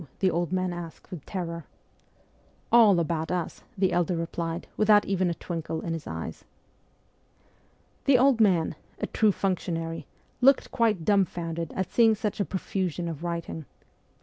the old man asked with terror. 'All about us,' our elder replied, without even a twinkle in his eyes. The old man a true functionary looked quite dumbfounded at seeing such a profusion of writing.